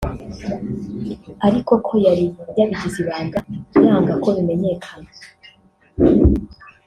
ariko ko yari yabigize ibanga yanga ko bimenyekana